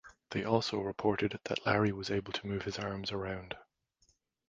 They also reported that Larry was able to move his arms around.